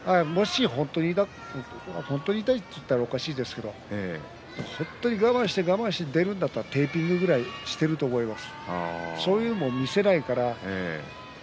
本当に痛いと言ったらおかしいんですけれど本当に我慢して我慢して出るんだったらテーピングぐらいしていると思います。